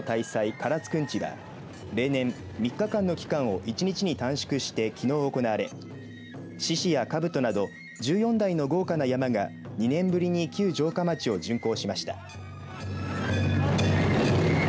唐津くんちは例年３日間の期間を１日に短縮して、きのう行われ獅子や兜など１４台の豪華な曳山が２年ぶりに旧城下町を巡行しました。